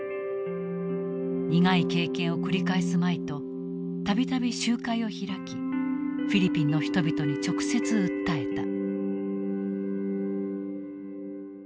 苦い経験を繰り返すまいと度々集会を開きフィリピンの人々に直接訴えた。